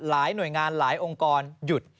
หลายหน่วยงานหลายองค์กรหยุด